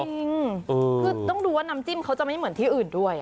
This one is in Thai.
จริงคือต้องดูว่าน้ำจิ้มเขาจะไม่เหมือนที่อื่นด้วย